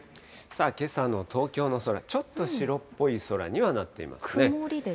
けさの東京の空、ちょっと白っぽい空にはなってますね。